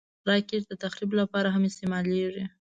راکټ د تخریب لپاره هم استعمالېږي